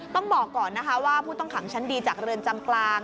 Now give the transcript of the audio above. ต้องบอกก่อนนะคะว่าผู้ต้องขังชั้นดีจากเรือนจำกลาง